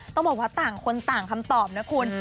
ต้องบอกว่าต่างคนต่างคำตอบนะคุณ